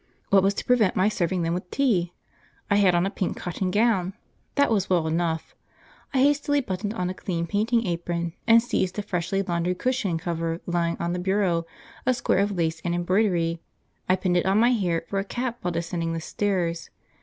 What was to prevent my serving them with tea? I had on a pink cotton gown, that was well enough; I hastily buttoned on a clean painting apron, and seizing a freshly laundered cushion cover lying on the bureau, a square of lace and embroidery, I pinned it on my hair for a cap while descending the stairs.